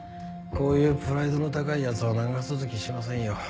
こういうプライドの高い奴は長続きしませんよ。